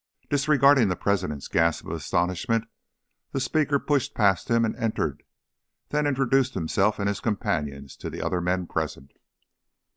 Disregarding the president's gasp of astonishment, the speaker pushed past him and entered, then introduced himself and his companions to the other men present.